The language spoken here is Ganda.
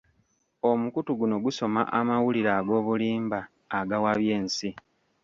Omukutu guno gusoma amawulire ag'obulimba agawabya ensi.